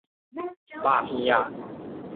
肉片仔